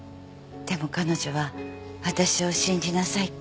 でも彼女は私を信じなさいって。